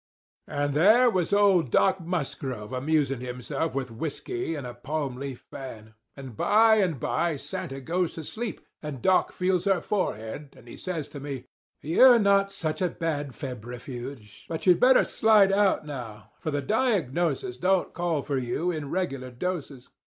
"And there was old Doc Musgrove amusin' himself with whisky and a palm leaf fan. And by and by Santa goes to sleep; and Doc feels her forehead; and he says to me: 'You're not such a bad febrifuge. But you'd better slide out now; for the diagnosis don't call for you in regular doses.